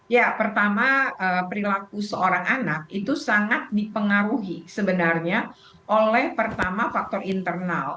ya pertama perilaku seorang anak itu sangat dipengaruhi sebenarnya oleh pertama faktor internal